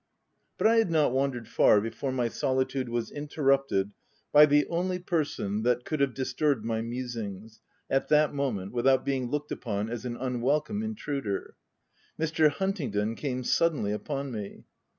But I had not wandered far before my soli tude was interrupted by the only person that could have disturbed my musings, at that moment, without being looked upon as an un welcome intruder: Mr. Huntingdon came suddenly upon me.